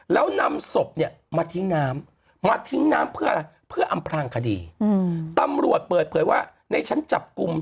แล้วนำศพเนี่ยมาทิ้งน้ำมาทิ้งน้ำเพื่ออะไรเพื่ออำพลางคดีตำรวจเปิดเผยว่าในชั้นจับกลุ่ม